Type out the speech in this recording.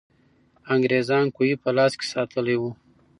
انګریزان کوهي په لاس کې ساتلې وو.